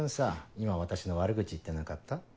今私の悪口言ってなかった？